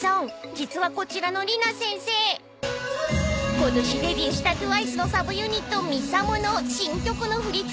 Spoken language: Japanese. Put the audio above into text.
実はこちらのＲｉｎａ先生ことしデビューしたＴＷＩＣＥのサブユニットＭＩＳＡＭＯの新曲の振り付けをしたすごい方なんですよ］